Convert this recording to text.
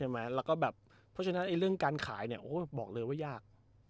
เพราะฉะนั้นเรื่องการขายบอกเลยว่ายาก